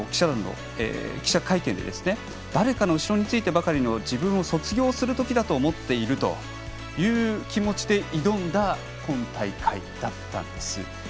記者会見で誰かの後ろについてばかりの自分を卒業するときだと思っているという気持ちで挑んだ今大会だったんです。